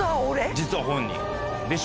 実は本人。